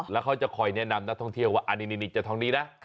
แล้วเขาจะคอยแนะนำนักท่องเที่ยวว่าอันนี้จะทองนี้นะ